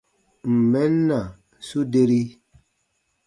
Ǹ n mɛn na, su deri.